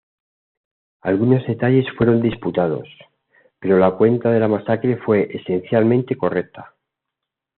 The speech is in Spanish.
Algunos detalles fueron disputados, pero la cuenta de la masacre fue esencialmente correcta.